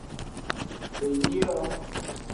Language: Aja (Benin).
Eyio.